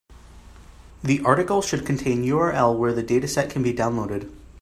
The article should contain URL where the dataset can be downloaded.